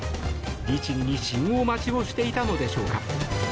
律儀に信号待ちをしていたのでしょうか。